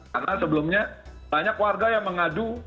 karena sebelumnya banyak warga yang mengadu